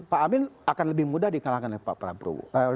pak amin akan lebih mudah dikalahkan oleh pak prabowo